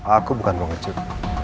aku bukan pengecut